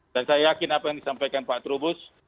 dan saya yakin apa yang disampaikan pak trubus